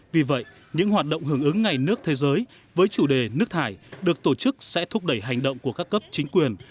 vì vậy những hoạt động hưởng ứng ngày nước thế giới với chủ đề nước thải được tổ chức sẽ thúc đẩy hành động của các cấp chính quyền